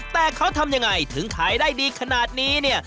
แต่เขาทำยังไงถึงขายได้ดีขนาดนี้เนี่ย